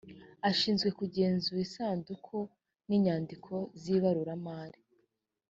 ashinzwe kugenzura isanduku n’inyandiko z’ibaruramari